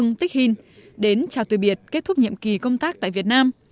ng tích hìn đến chào từ biệt kết thúc nhiệm kỳ công tác tại việt nam